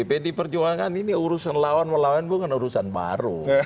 jadi perjuangan ini urusan lawan melawan bukan urusan baru